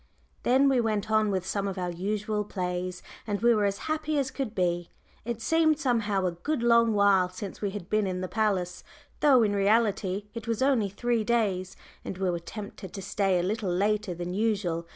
Then we went on with some of our usual plays, and we were as happy as could be. It seemed somehow a good long while since we had been in the palace, though in reality it was only three days, and we were tempted to stay a little later than usual.